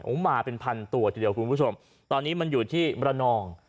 โอ้โหมาเป็นพันตัวทีเดียวคุณผู้ชมตอนนี้มันอยู่ที่มรนอง